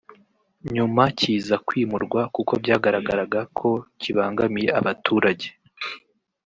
nyuma kiza kwimurwa kuko byagaragaraga ko kibangamiye abaturage